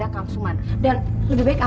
empat main dan setengah kan